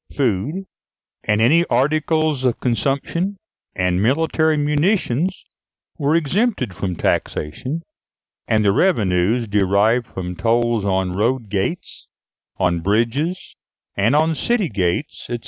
Food, and any articles of consumption, and military munitions, were exempted from taxation; and the revenues derived from tolls on road gates, on bridges, and on city gates, &c.